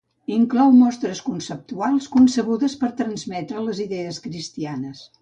Inclou mostres conceptuals concebudes per transmetre les idees cristianes.